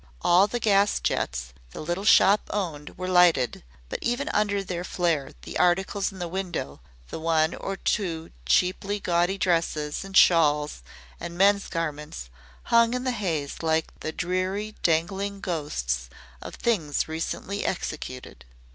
All the gas jets the little shop owned were lighted, but even under their flare the articles in the window the one or two once cheaply gaudy dresses and shawls and men's garments hung in the haze like the dreary, dangling ghosts of things recently executed.